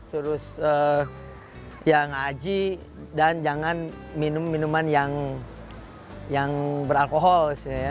terus ya ngaji dan jangan minum minuman yang beralkohol